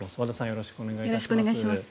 よろしくお願いします。